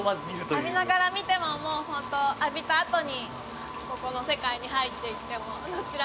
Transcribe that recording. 浴びながら見てももう本当浴びたあとにここの世界に入っていってもどちらでも。